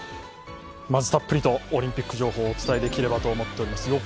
たっぷりとオリンピック情報をお伝えできればと思っています。